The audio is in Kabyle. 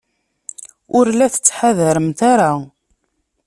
Ur la tettḥadaremt ara.